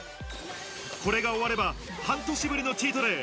これが終われば半年ぶりのチートデイ。